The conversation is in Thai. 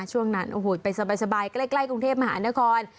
ช่วงนั้นโอ้โหไปสบายใกล้กรุงเทพมหานคร